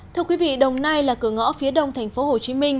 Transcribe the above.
thưa quý vị đồng nai là cửa ngõ phía đông tp hcm